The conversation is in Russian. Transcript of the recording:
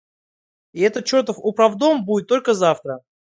И этот чертов управдом будет только завтра!